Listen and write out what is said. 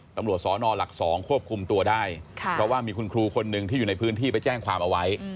ตำรวจสนหลัก๒ควบคุมตัวได้เพราะว่ามีคุณครูคนหนึ่งที่อยู่ในพื้นที่ไปแจ้งความเอาไว้